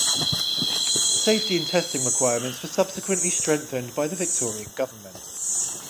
Safety and testing requirements were subsequently strengthened by the Victorian Government.